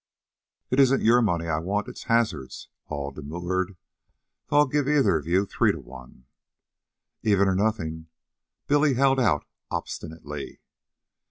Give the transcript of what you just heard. "It isn't your money I want; it's Hazard's," Hall demurred. "Though I'll give either of you three to one." "Even or nothing," Billy held out obstinately.